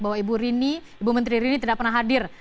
bahwa ibu rini ibu menteri rini tidak pernah hadir